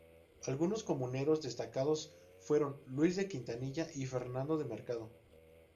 Algunos comuneros destacados fueron Luis de Quintanilla y Fernando de Mercado.